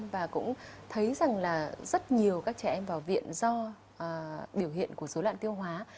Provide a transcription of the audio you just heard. và cũng thấy rằng là rất nhiều các trẻ em vào viện do biểu hiện của dối loạn tiêu hóa